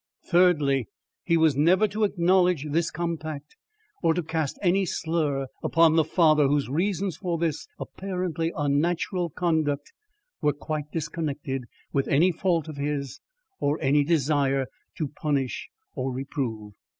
Thirdly: he was never to acknowledge this compact, or to cast any slur upon the father whose reasons for this apparently unnatural conduct were quite disconnected with any fault of his or any desire to punish or reprove.